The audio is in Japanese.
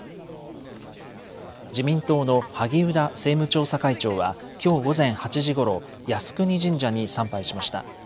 自民党の萩生田政務調査会長はきょう午前８時ごろ靖国神社に参拝しました。